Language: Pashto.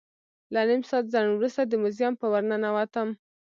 له نیم ساعت ځنډ وروسته د موزیم په ور ننوتم.